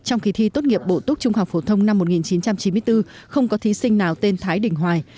trong kỳ thi tốt nghiệp bộ tốt trung học phổ thông năm một nghìn chín trăm chín mươi bốn không có thí sinh nào tên thái đình hoài